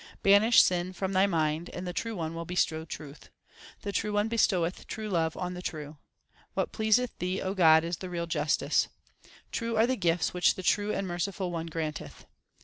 Banish sin from thy mind, and the True One will bestow truth : The True One bestoweth true love on the true. What pleaseth Thee, O God, is the real justice. True are the gifts which the true and merciful One granteth.